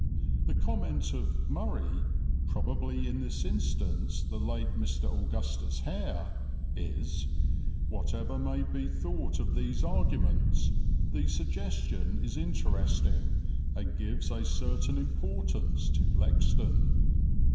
The comment of "Murray," probably in this instance the late Mr. Augustus Hare, is "Whatever may be thought of these arguments, the suggestion is interesting and gives a certain importance to Lexden."